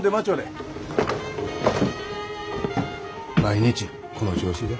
毎日この調子じゃ。